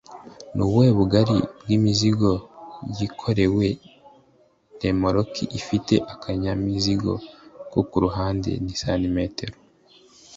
Nubuhe bugali bw’imizigo yikorewe na remoruke ifite akanyamizigo ko kuruhande ni cm